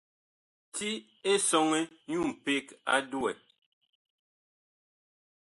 Ti Esɔŋɛ nyu mpeg a duwɛ.